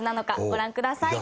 ご覧ください。